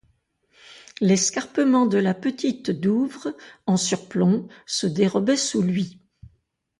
L’escarpement de la petite Douvre en surplomb se dérobait sous lui.